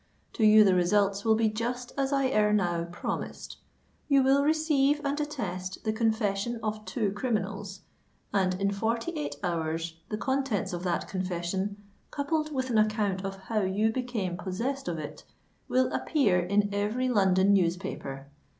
To you the results will be just as I ere now promised. You will receive and attest the confession of two criminals; and in forty eight hours the contents of that confession, coupled with an account of how you became possessed of it, will appear in every London newspaper.